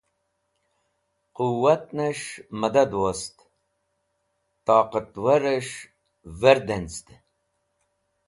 Qẽwatinẽs̃h mẽdad wost toqatqarẽs̃h verdẽnz̃ẽd.